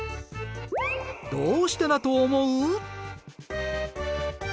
どうしてだと思う？